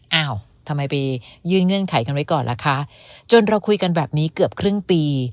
อ้าวทำไมไปยื่นเงื่อนไขกันไว้ก่อนล่ะคะจนเราคุยกันแบบนี้เกือบครึ่งปี